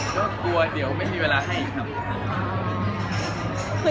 แล้วก็คุยบ้าง